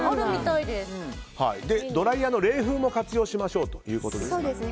ドライヤーの冷風も活用しましょうということですね。